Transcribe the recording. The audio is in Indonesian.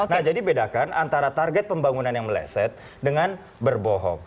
nah jadi bedakan antara target pembangunan yang meleset dengan berbohong